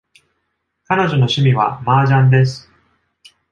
彼女の趣味は麻雀です。